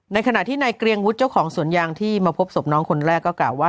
ขณะที่นายเกรียงวุฒิเจ้าของสวนยางที่มาพบศพน้องคนแรกก็กล่าวว่า